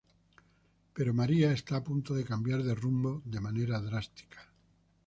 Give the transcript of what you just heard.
Pero María está a punto de cambiar de rumbo de manera drástica.